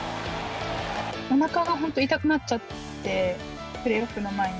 おなかが本当痛くなっちゃって、プレーオフの前に。